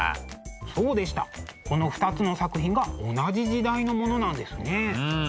そうでしたこの２つの作品が同じ時代のものなんですね。